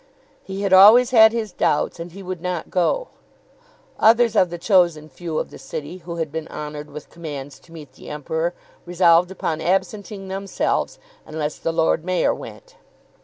He had always had his doubts, and he would not go. Others of the chosen few of the City who had been honoured with commands to meet the Emperor resolved upon absenting themselves unless the Lord Mayor went.